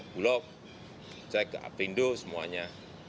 bulog cek apindo semuanya